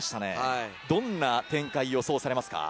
どんな展開、予想されますか。